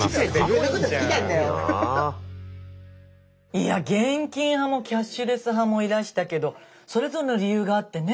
いや現金派もキャッシュレス派もいらしたけどそれぞれの理由があってね。